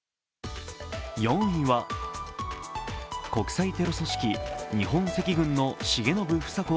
４位は、国際テロ組織日本赤軍の重信房子